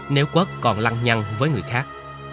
nếu quất còn lăn nhăn với người khác